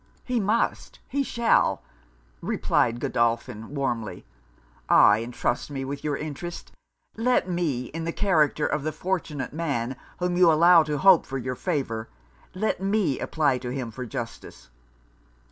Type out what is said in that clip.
'He must, he shall!' replied Godolphin warmly 'Ah! entrust me with your interest; let me, in the character of the fortunate man whom you allow to hope for your favour let me apply to him for justice.'